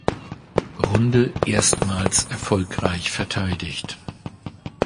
Runde erstmals erfolgreich verteidigt.